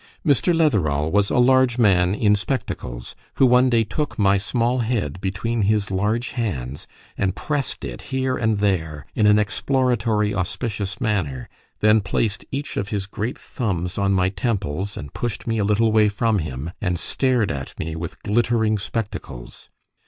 Mr. Letherall was a large man in spectacles, who one day took my small head between his large hands, and pressed it here and there in an exploratory, auspicious manner then placed each of his great thumbs on my temples, and pushed me a little way from him, and stared at me with glittering spectacles.